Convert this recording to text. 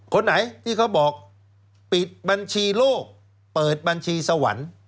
คนไหนที่เขาบอกปิดบัญชีโลกเปิดบัญชีสวรรค์